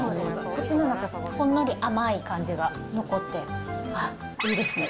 口の中がほんのり甘い感じが残って、あっ、いいですね。